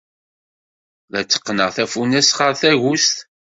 La tteqqneɣ tafunast ɣer tagust.